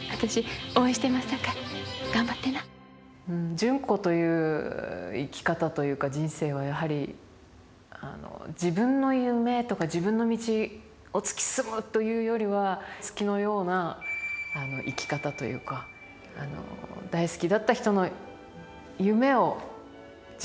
純子という生き方というか人生はやはり自分の夢とか自分の道を突き進むというよりは月のような生き方というかあの大好きだった人の夢を自分のこととして追いかける。